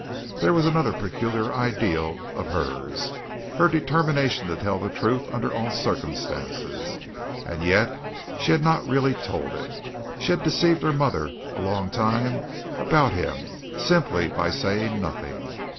There was another peculiar ideal of hers, her determination to tell the truth under all circumstances. And yet she had really not told it. She had deceived her mother a long time about him simply by saying nothing.